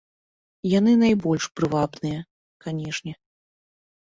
Яны найбольш прывабныя, канешне.